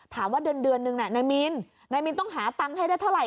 ว่าเดือนนึงน่ะนายมินนายมินต้องหาตังค์ให้ได้เท่าไห